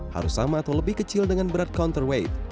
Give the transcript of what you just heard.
harus sama atau lebih kecil dengan berat counterweight